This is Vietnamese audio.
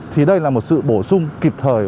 thì đây là một sự bổ sung kịp thời